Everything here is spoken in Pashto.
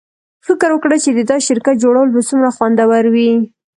فکر وکړه چې د داسې شرکت جوړول به څومره خوندور وي